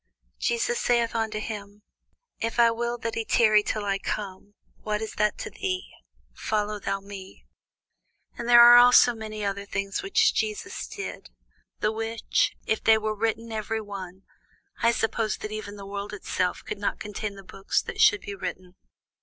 Jesus saith unto him, If I will that he tarry till I come, what is that to thee? follow thou me. And there are also many other things which Jesus did, the which, if they should be written every one, I suppose that even the world itself could not contain the books that should be written.